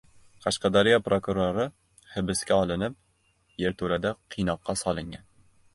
Qashqadaryo prokurori hibsga olinib, yerto‘lada qiynoqqa solingan